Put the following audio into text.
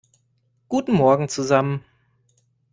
Guten Morgen zusammen!